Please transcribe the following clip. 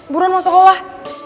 buruan masa olah